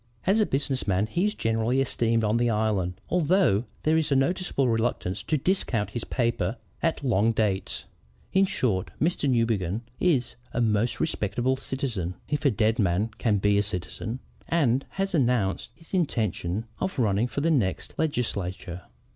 "As a business man, he is generally esteemed on the Island, although there is a noticeable reluctance to discount his paper at long dates. In short, Mr. John Newbegin is a most respectable citizen (if a dead man can be a citizen) and has announced his intention of running for the next Legislature!"